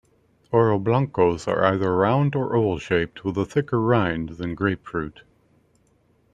Oroblancos are either round- or oval-shaped with a thicker rind than grapefruit.